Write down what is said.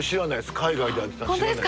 海外でやってたの知らない。